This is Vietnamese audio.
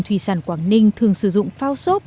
thủy sản quảng ninh thường sử dụng phao sốt